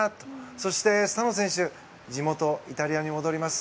そして、スタノ選手地元イタリアに戻ります。